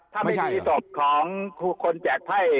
ถ้าไม่มีศพของครูคนแจกไพ่